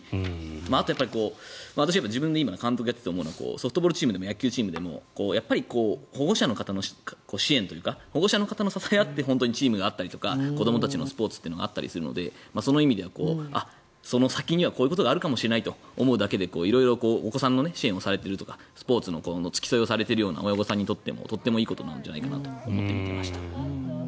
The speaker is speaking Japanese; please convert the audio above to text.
あと、やっぱり私、自分が監督やっていて思うのはソフトボールチームでも野球チームでも保護者の方の支援というか保護者の方の支えがあってチームがあったりとか子どもたちのスポーツというのがあったりするのでその意味ではその先にはこういうことがあるかもしれないと思うだけで色々お子さんの支援をされているとかスポーツの付き添いをされている親御さんにとってもとてもいいことなんじゃないかなと思って見てました。